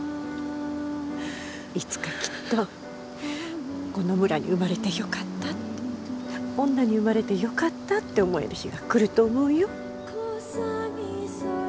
いつかきっとこの村に生まれてよかったって女に生まれてよかったって思える日が来ると思うよ。